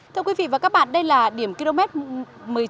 thưa quý vị và các bạn đây là địa bàn tỉnh sơn la